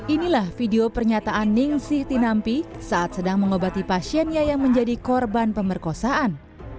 inilah video pernyataan ningsih tinampi saat sedang mengobati pasiennya yang menjadi korban pemerkosaan